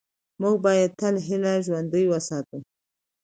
موږ باید تل هیله ژوندۍ وساتو